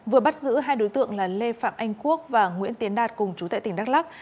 vừa bắt giữ hai đối tượng là lê phạm anh quốc và nguyễn tiến đạt cùng chú tại tỉnh đắk lắc